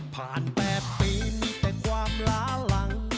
๘ปีมีแต่ความล้าหลัง